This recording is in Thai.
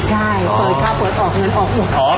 ใช่เปิดข้าวเปิดออกเงินออกหมด